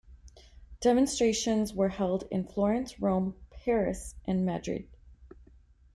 Demonstrations were held in Florence, Rome, Paris and Madrid.